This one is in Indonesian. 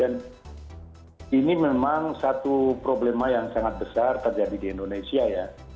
dan ini memang satu problema yang sangat besar terjadi di indonesia ya